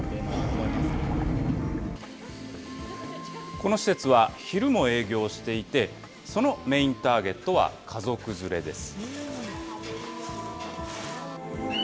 この施設は昼も営業していて、そのメインターゲットは家族連れです。